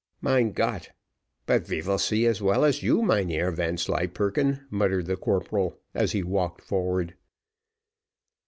"Mein Gott! but ve vill see as well as you, Mynheer Vanslyperken." muttered the corporal, as he walked forward.